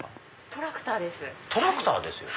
トラクターです。